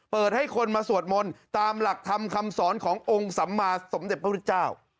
เปิดให้คนมาสวดมนต์ตามหลักธรรมคำสอนขององค์สัมมาสมเด็จพระพุทธเจ้า